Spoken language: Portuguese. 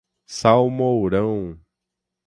Salmourão